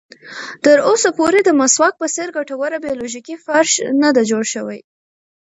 تر اوسه پورې د مسواک په څېر ګټوره بیولوژیکي فرش نه ده جوړه شوې.